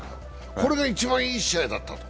これが一番いい試合だったと。